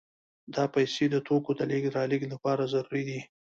دا پیسې د توکو د لېږد رالېږد لپاره ضروري دي